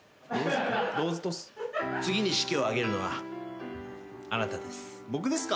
次に式を挙げるのはあなたです。